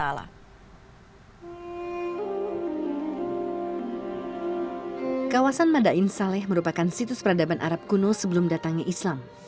kawasan madain saleh merupakan situs peradaban arab kuno sebelum datangnya islam